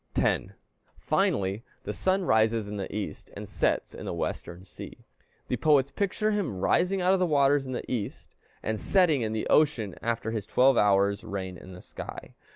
10. Finally, the sun rises in the East and sets in the Western sea. The poets picture him rising out of the waters in the East, and setting in the ocean after his twelve hours' reign in the sky.